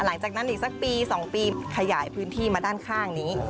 หลังจากนั้นอีกสักปี๒ปีขยายพื้นที่มาด้านข้างนี้